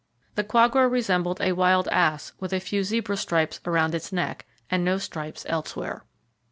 The quagga resembled a wild ass with a few zebra stripes around its neck, and no stripes elsewhere.